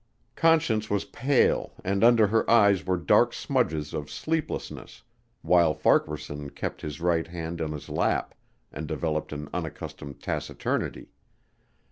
Conscience was pale and under her eyes were dark smudges of sleeplessness while Farquaharson kept his right hand in his lap and developed an unaccustomed taciturnity.